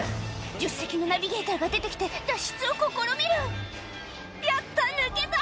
助手席のナビゲーターが出て来て脱出を試みる「やった抜けた！」